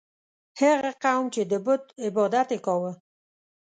هغه قوم چې د بت عبادت یې کاوه.